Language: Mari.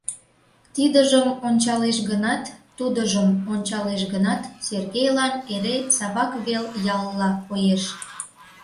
Тидыжым ончалеш гынат, тудыжым ончалеш гынат, Сергейлан эре Савак вел ялла коеш.